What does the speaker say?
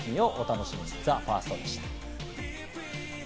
以上、ＴＨＥＦＩＲＳＴでした。